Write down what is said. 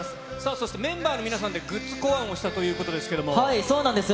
そしてメンバーの皆さんでグッズ考案をしたということなんですけはい、そうなんです。